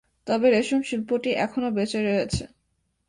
তবে রেশম শিল্পটি এখনও বেঁচে রয়েছে।